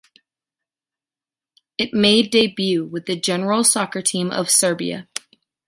It made debut with the general soccer team of Serbia.